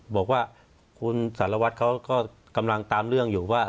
บอกว่าคุณสารวัตรเขาก็กำลังตามเรื่องอยู่ว่า